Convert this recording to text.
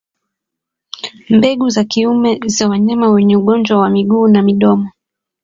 Mbegu za kiume za wanyama wenye ugonjwa wa miguu na midomo